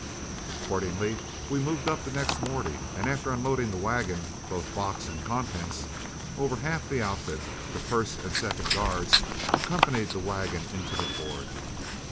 Accordingly we moved up the next morning, and after unloading the wagon, both box and contents, over half the outfit the first and second guards accompanied the wagon into the Ford.